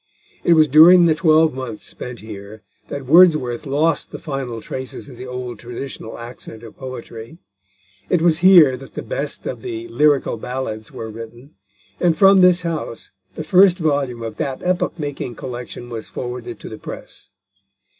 It was during the twelve months spent here that Wordsworth lost the final traces of the old traditional accent of poetry. It was here that the best of the Lyrical Ballads were written, and from this house the first volume of that epoch making collection was forwarded to the press.